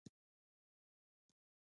د غزني په ناوور کې د سرو زرو نښې شته.